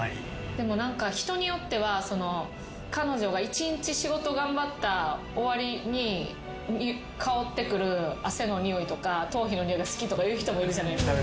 でも何か人によっては彼女が１日仕事頑張った終わりに香ってくる汗のニオイとか頭皮のニオイが好きとかいう人もいるじゃないですか。